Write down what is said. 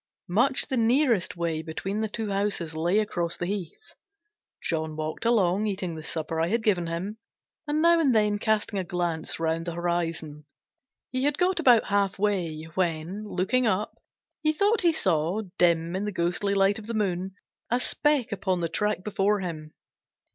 Much the nearest way between the two houses lay across the heath. John walked along, eating the supper I had given him, and now and then casting a glance round the horizon. He had got about half way, when, looking up, he thought he saw, dim in the ghosty light of the moon, a speck upon the track before him.